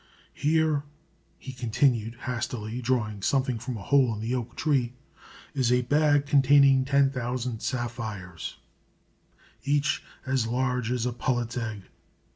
Here," he continued, hastily drawing something from a hole in the oak tree, "is a bag containing ten thousand sapphires, each as large as a pullet's egg.